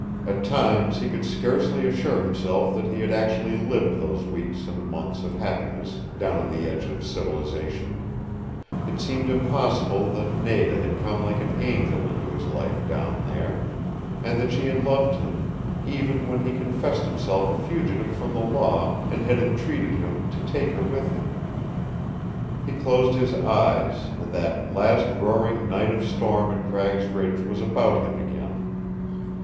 At times he could scarcely assure himself that he had actually lived those weeks and months of happiness down on the edge of civilization; it seemed impossible that Nada had come like an Angel into his life down there, and that she had loved him, even when he confessed himself a fugitive from the law and had entreated him to take her with him. He closed his eyes and that last roaring night of storm at Cragg's Ridge was about him again.